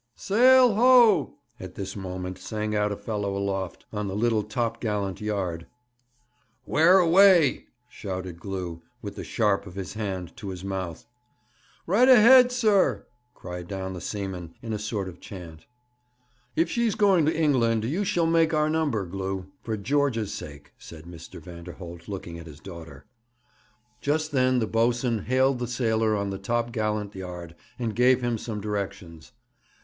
'Sail ho!' at this moment sang out a fellow aloft, on the little top gallant yard. 'Where away?' shouted Glew, with the sharp of his hand to his mouth. 'Right ahead, sir!' cried down the seaman, in a sort of chant. 'If she's going to England you shall make our number, Glew for George's sake,' said Mr. Vanderholt, looking at his daughter. Just then the boatswain hailed the sailor on the top gallant yard, and gave him some directions.